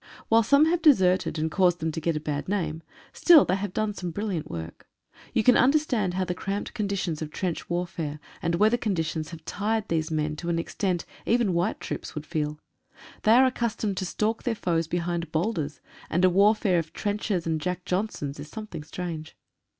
While some have deserted and caused them to get a bad name, still they have done some brilliant work. You can 144 THE INDIAN OFFICERS. understand how the cramped conditions of trench war fare and weather conditions have tired these men to an extent even white troops would feel. They are accus tomed to stalk their foes behind boulders, and a warfare of trenches and "Jack Johnsons" is something strange.